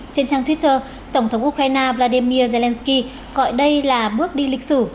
trên trang twitter tổng thống ukraine vladimir zelensky gọi đây là bước đi lịch sử